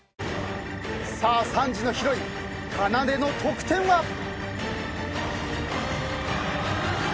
さあ３時のヒロインかなでの得点は。